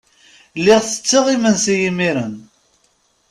Lliɣ tetteɣ imensi imiren.